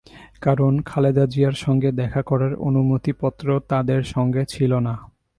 কারণ, খালেদা জিয়ার সঙ্গে দেখা করার অনুমতিপত্র তাঁদের সঙ্গে ছিল না।